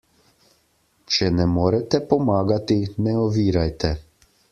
Če ne morete pomagati, ne ovirajte.